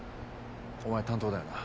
お前担当だよな？